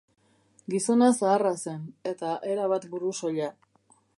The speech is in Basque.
Gizona zaharra zen, eta erabat burusoila.